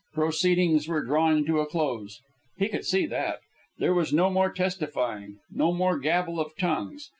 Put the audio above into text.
Proceedings were drawing to a close. He could see that. There was no more testifying, no more gabble of tongues.